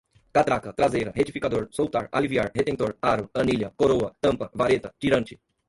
catraca, traseira, retificador, soltar, aliviar, retentor, aro, anilha, coroa, tampa, vareta, tirante